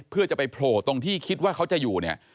เพื่อจะไปโผล่ตรงที่คิดว่าเขาจะอยู่เนี่ย